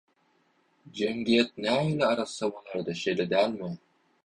Jemgyýet nähili arassa bolardy şeýle dälmi?